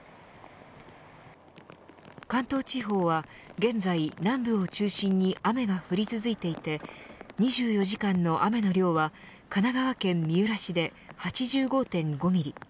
関東地方は現在、南部を中心に雨が降り続いていて２４時間の雨の量は神奈川県三浦市で８５．５ミリ